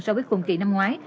so với cùng kỳ năm ngoái